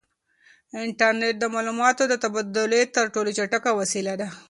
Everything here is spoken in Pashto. انټرنیټ د معلوماتو د تبادلې تر ټولو چټکه وسیله ده.